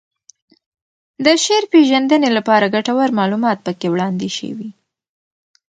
د شعر پېژندنې لپاره ګټور معلومات پکې وړاندې شوي